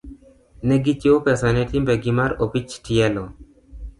Ne gichiwo pesa ne timbegi mar opich tielo.